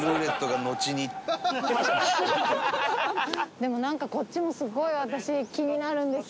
でもなんかこっちもすごい私気になるんですよ。